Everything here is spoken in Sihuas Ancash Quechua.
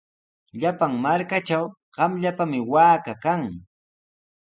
Llapan markatraw qamllapami waaka kan.